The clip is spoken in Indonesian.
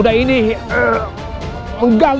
kau akan diserang kami